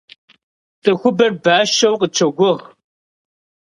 Цӏыхубэр бащэу къытщогугъ.